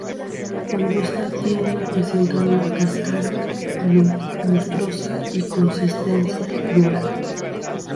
Cuando está tierno presenta una cáscara lustrosa y consistencia dura.